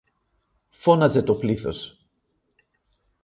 φώναζε το πλήθος.